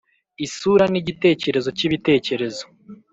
isura nigitekerezo cyibitekerezo.